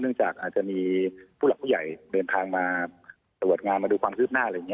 เนื่องจากจะมีผู้หลักผู้ใหญ่เดินทางมาสะวดงามมาดูความครืบหน้า